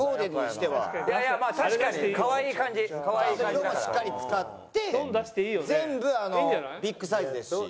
色もしっかり使って全部ビッグサイズですし。